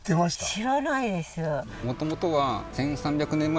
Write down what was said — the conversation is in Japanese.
知らないです。